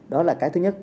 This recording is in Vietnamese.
đó là cái thứ nhất